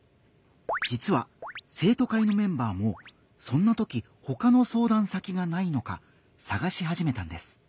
じつは生徒会のメンバーもそんなときほかの相談先がないのかさがしはじめたんです。